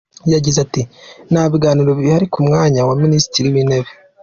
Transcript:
Yagize ati “Nta biganiro bihari ku mwanya wa Minisitiri w’Intebe.